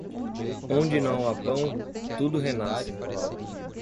Onde não há pão, tudo renasce.